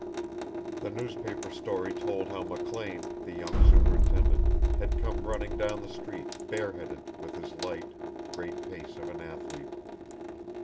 The newspaper story told how McLean, the young superintendent, had come running down the street, bare headed, with his light, great pace of an athlete.